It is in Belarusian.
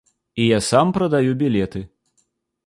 І я сам прадаю білеты.